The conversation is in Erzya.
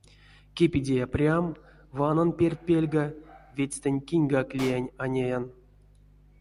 Кепедия прям, ванан перть пельга — ведьстэнть киньгак лиянь а неян.